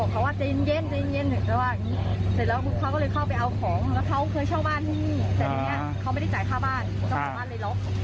แต่ทีนี้เขาไม่ได้จ่ายค่าบ้านค่าค่าค่าเลยล๊อค